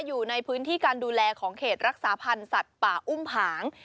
อยู่ในพื้นที่การดูแลของเขตรักษาพันธ์สัตว์ป่าอุ้มผาง